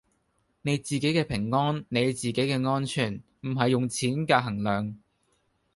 你自己嘅平安你自己嘅安全唔係用錢㗎衡量